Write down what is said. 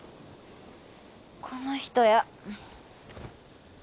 この人や。